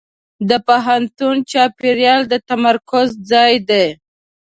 د پوهنتون چاپېریال د تمرکز ځای دی.